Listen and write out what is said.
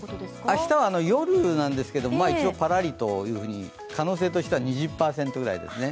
明日は夜なんですけど、一応パラリと、可能性としては２０％ぐらいですね。